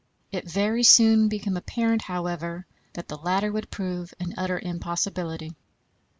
It very soon became apparent, however, that the latter would prove an utter impossibility.